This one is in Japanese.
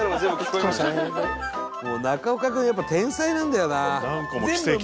「中岡君はやっぱり天才なんだよな」